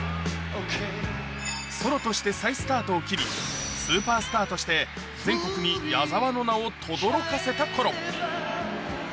ソロとして再スタートを切り、スーパースターとして全国に矢沢の名をとどろかせたころ。